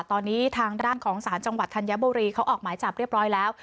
ตอนนี้ทางด้านของสารจังหวัดธัญบุรีเขาออกหมายจับเรียบร้อยแล้ว